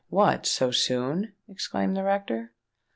What, so soon?" exclaimed the rector.